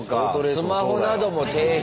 スマホなども提出。